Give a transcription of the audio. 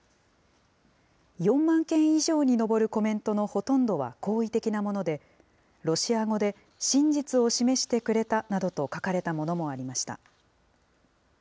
４万件以上に上るコメントのほとんどは好意的なもので、ロシア語で真実を示してくれたなどと書かれたものもありました。